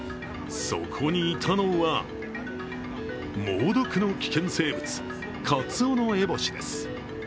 そこにいたのは猛毒の危険生物カツオノエボシです。